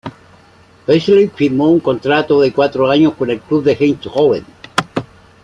Beasley firmó un contrato de cuatro años con el club de Eindhoven.